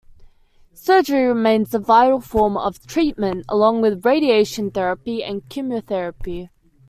Surgery remains the vital form of treatment along with radiation therapy and chemotherapy.